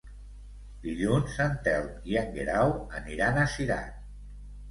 Dilluns en Telm i en Guerau aniran a Cirat.